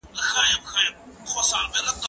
زه د کتابتون پاکوالی کړی دی!!